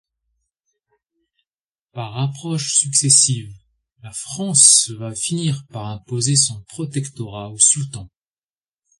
Par approches successives, la France va finir par imposer son protectorat au sultan.